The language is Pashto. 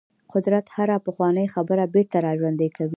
قدرت هره پخوانۍ خبره بیرته راژوندۍ کوي.